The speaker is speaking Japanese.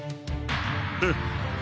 フッ。